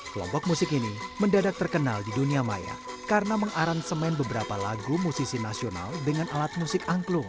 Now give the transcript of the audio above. kelompok musik ini mendadak terkenal di dunia maya karena mengaransemen beberapa lagu musisi nasional dengan alat musik angklung